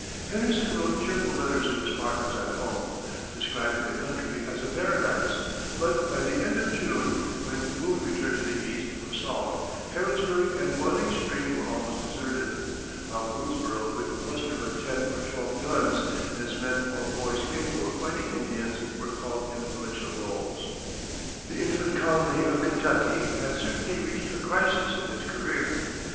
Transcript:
Henderson wrote cheerful letters to his partners at home, describing the country as a paradise; but by the end of June, when Boone returned to the East for salt, Harrodsburg and Boiling Spring were almost deserted, while Boonesborough could muster but ten or twelve "guns," as men or boys capable of fighting Indians were called in the militia rolls. The infant colony of Kentucky had certainly reached a crisis in its career.